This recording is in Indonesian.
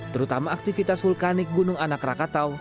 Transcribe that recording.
terutama aktivitas vulkanik gunung anak rakatau